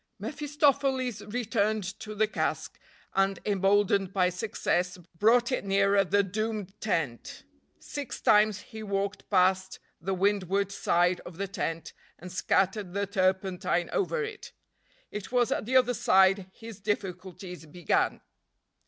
mephistopheles returned to the cask, and, emboldened by success, brought it nearer the doomed tent. Six times he walked past the windward side of the tent, and scattered the turpentine over it. It was at the other side his difficulties began.